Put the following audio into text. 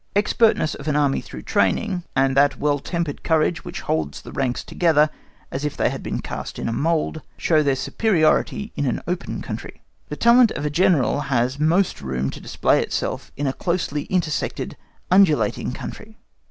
Expertness of an Army through training, and that well tempered courage which holds the ranks together as if they had been cast in a mould, show their superiority in an open country. The talent of a General has most room to display itself in a closely intersected, undulating country.